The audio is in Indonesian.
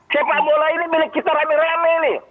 sepak bola ini milik kita rame rame nih